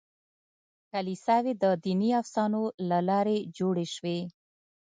کلیساوې د دیني افسانو له لارې جوړې شوې.